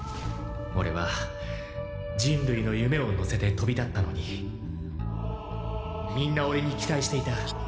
オレは人類の夢をのせて飛び立ったのにみんなオレに期待していた。